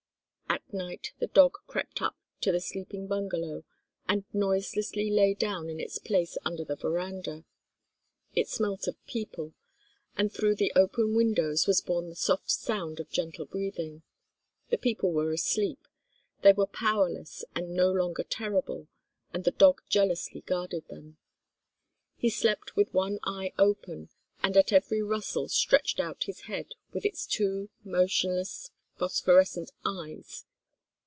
At night the dog crept up to the sleeping bungalow, and noiselessly lay down in its place under the verandah. It smelt of people, and through the open windows was borne the soft sound of gentle breathing. The people were asleep, they were powerless and no longer terrible, and the dog jealously guarded them. He slept with one eye open, and at every rustle stretched out his head with its two motionless phosphorescent eyes.